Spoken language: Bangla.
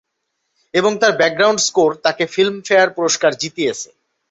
এবং তার ব্যাকগ্রাউন্ড স্কোর তাকে ফিল্মফেয়ার পুরস্কার জিতেয়েছে।